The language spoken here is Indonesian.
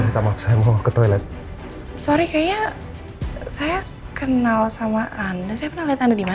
maaf maaf saya mau ke toilet sorry kayaknya saya kenal sama anda saya pernah lihat anda